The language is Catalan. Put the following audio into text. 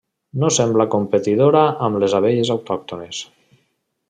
No sembla competidora amb les abelles autòctones.